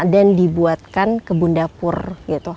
dan dibuatkan kebun dapur gitu